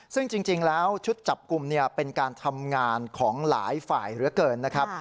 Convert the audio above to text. ซึ่งจริงแล้วชุดจับกลุ่มเป็นการทำงานของหลายฝ่ายเหลือเกินนะครับ